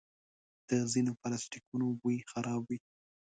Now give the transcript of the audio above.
د ځینو پلاسټیکونو بوی خراب وي.